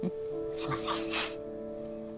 すいません。